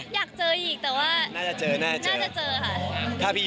อยากเจออีกแต่ว่าน่าจะเจอค่ะ